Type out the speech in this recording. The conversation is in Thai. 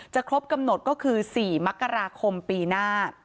ครบกำหนดก็คือ๔มกราคมปีหน้า